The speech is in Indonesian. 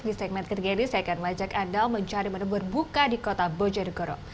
di segmen ketiga ini saya akan mengajak anda mencari menu berbuka di kota bojonegoro